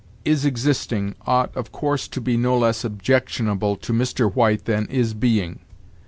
Is existing ought, of course, to be no less objectionable to Mr. White than is being.